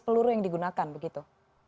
peluru yang digunakan begitu